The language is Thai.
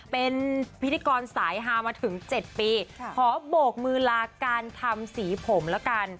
เป็นพิธีกรสายฮามาถึง๗ปีขอโบกมือลาการทำสีผมแล้วกัน